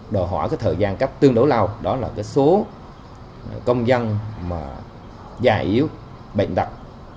đòi hỏi thời gian cấp tương đối lao đó là số công dân già yếu bệnh tật